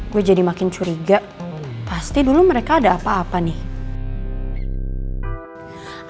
gue jadi makin curiga pasti dulu mereka ada apa apa nih